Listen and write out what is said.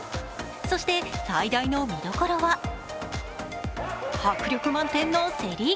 そして、最大の見どころは迫力満点の競り。